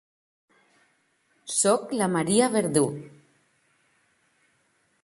Soc la Maria Verdú.